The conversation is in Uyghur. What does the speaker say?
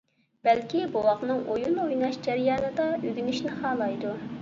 بەلكى بوۋاقنىڭ ئويۇن ئويناش جەريانىدا ئۆگىنىشىنى خالايدۇ.